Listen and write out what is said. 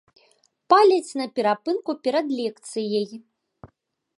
Паляць на перапынку перад лекцыяй.